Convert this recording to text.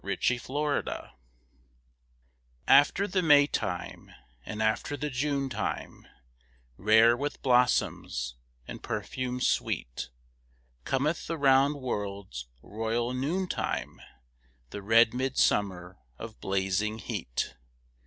MIDSUMMER After the May time, and after the June time, Rare with blossoms and perfumes sweet, Cometh the round world's royal noon time, The red midsummer of blazing heat.